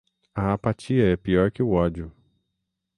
A apatia é pior que o ódio